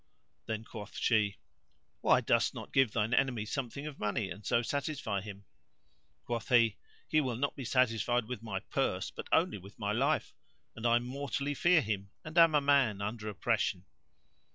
Then quoth she, "Why dost not give thine enemy something of money and so satisfy him?" Quoth he, "He will not be satisfied with my purse but only with my life, and I mortally fear him and am a man under oppression."